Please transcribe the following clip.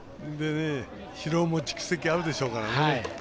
疲労も蓄積あるでしょうから。